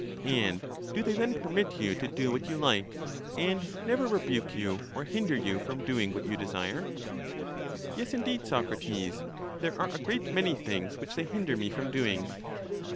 And do they then permit you to do what you like, and never rebuke you or hinder you from doing what you desire? Yes, indeed, Socrates; there are a great many things which they hinder me from doing.